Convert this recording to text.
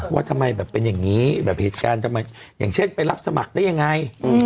ว่าทำไมแบบเป็นอย่างนี้แบบเหตุการณ์ทำไมอย่างเช่นไปรับสมัครได้ยังไง